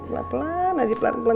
pelan pelan aja pelan pelan